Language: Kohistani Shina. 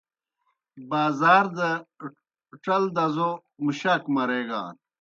بازار دہ ڇل دزو مُشاک مریگان۔